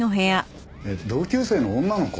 えっ同級生の女の子？